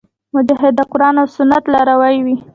مجاهد د قرآن او سنت لاروی وي.